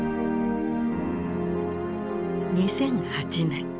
２００８年。